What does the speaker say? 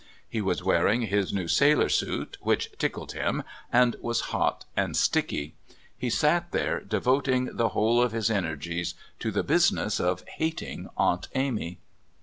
He was wearing his new sailor suit, which tickled him and was hot and sticky; he sat there devoting the whole of his energies to the business of hating Aunt Amy.